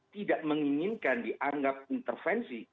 tidak menginginkan dianggap intervensi